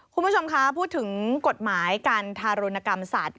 คุณผู้ชมคะพูดถึงกฎหมายการทารุณกรรมสัตว